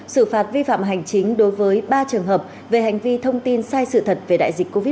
xử phạt vi phạm hành chính đối với ba trường hợp về hành vi thông tin sai sự thật về đại dịch covid một mươi